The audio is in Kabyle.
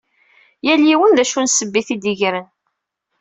Yal yiwen d acu n ssebba i t-id-ideggren.